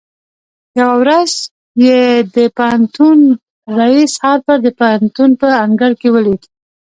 يوه ورځ يې د پوهنتون رئيس هارپر د پوهنتون په انګړ کې وليد.